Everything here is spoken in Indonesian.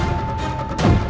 aku akan menang